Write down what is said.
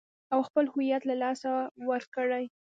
او خپل هويت له لاسه ور کړي .